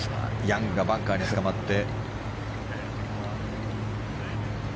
ヤングがバンカーにつかまって。